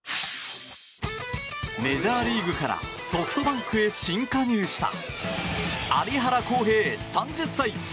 メジャーリーグからソフトバンクへ新加入した有原航平、３０歳。